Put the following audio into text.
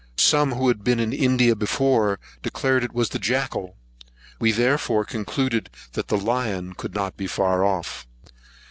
Some who had been in India before, declared it was the jackall; we therefore, concluded the lion could not be far off.